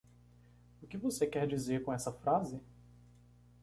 O que você quer dizer com essa frase?